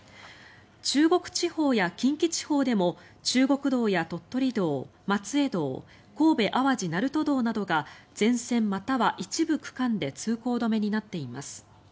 中国地方や近畿地方でも中国道や鳥取道、松江道神戸淡路鳴門道などが全線または一部区間で通行止めになっています。